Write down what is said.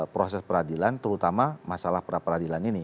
proses peradilan terutama masalah pra peradilan ini